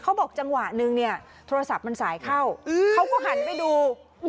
เขาบอกจังหวะนึงเนี่ยโทรศัพท์มันสายเข้าเขาก็หันไปดู